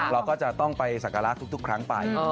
เราก็จะต้องไปสกรราศุทธุ์ทุกครั้งไป